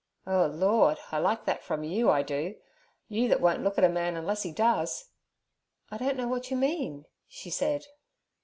'Oh Lord! I like that from you, I do. You that won't look at a man unless he does.' 'I don't know what you mean' she said.